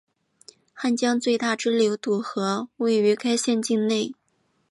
汉江最大支流堵河位于该县境内。